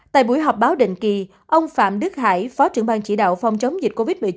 tại buổi họp báo định kỳ ông phạm đức hải phó trưởng ban chỉ đạo phòng chống dịch covid một mươi chín